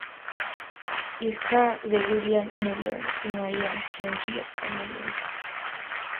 Hija de William Müller y Maria Henrietta Muller.